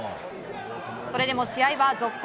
それでも試合は続行。